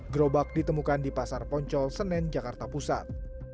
gerobak ditemukan di pasar poncol senen jakarta pusat